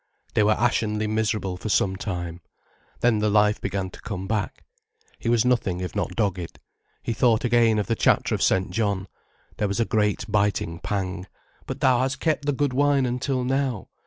They were ashenly miserable for some time. Then the life began to come back. He was nothing if not dogged. He thought again of the chapter of St. John. There was a great biting pang. "But thou hast kept the good wine until now."